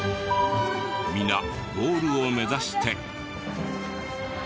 皆ゴールを目指して。